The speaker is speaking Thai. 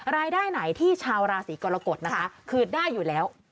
รายได้ไหนที่ชาวราศีกรกฎนะคะคือได้อยู่แล้ว